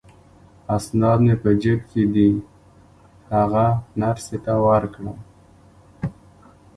اسناد مې په جیب کې دي، هغه نرسې ته ورکړه.